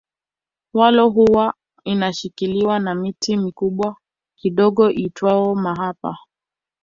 Walo huwa inashikiliwa na miti mikubwa kidogo iitwayo mahapa